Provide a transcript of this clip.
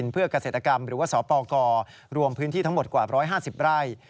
การปฏิรูปที่ดินเพื่อกเกษตรกรรมหรือว่าสปกรวมพื้นที่ทั้งหมดกว่า๑๕๐ไร่